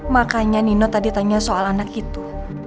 makanya nino tadi tanya soal anak itu